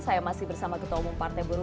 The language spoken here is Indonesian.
saya masih bersama ketua umum partai buruh